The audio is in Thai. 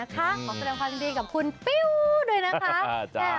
ขอแสดงความยินดีกับคุณปิ้วด้วยนะคะ